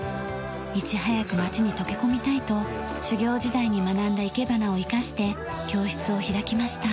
いち早く町に溶け込みたいと修行時代に学んだ生け花を生かして教室を開きました。